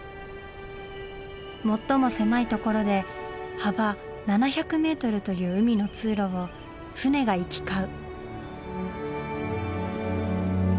最も狭いところで幅７００メートルという海の通路を船が行き交う。